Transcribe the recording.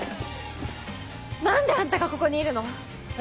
何であんたがここにいるの？え？